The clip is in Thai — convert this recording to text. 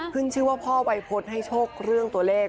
ชื่อว่าพ่อวัยพฤษให้โชคเรื่องตัวเลข